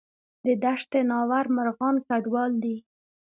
د دشت ناور مرغان کډوال دي